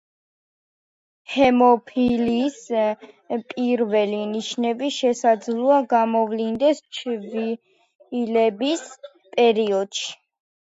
ჰემოფილიის პირველი ნიშნები შესაძლოა გამოვლინდეს ჩვილობის პერიოდში.